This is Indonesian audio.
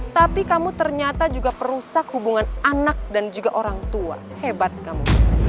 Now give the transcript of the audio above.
tapi kamu ternyata juga perusak hubungan anak dan juga orang tua hebat kamu